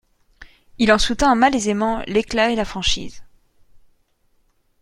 Il en soutint malaisément l'éclat et la franchise.